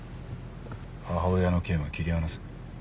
母親の件は切り離せ。